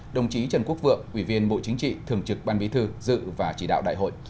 đồng chí trần quốc vượng ủy viên bộ chính trị thường trực ban bí thư dự và chỉ đạo đại hội